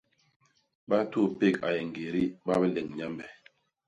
Batupék a yé ñgédi ba bileñ Nyambe.